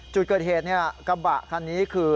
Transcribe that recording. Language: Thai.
จุดเกิดเหตุกระบะคันนี้คือ